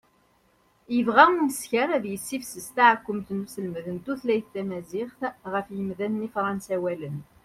yebɣa umeskar ad yessifsus taɛekkumt n uselmed n tutlayt tamaziɣt i yimdanen ifransawalen